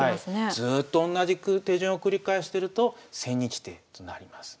ずっと同じ手順を繰り返してると千日手となります。